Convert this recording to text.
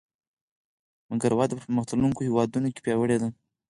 مګر وده په پرمختلونکو هېوادونو کې پیاوړې ده